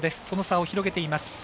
その差を広げています。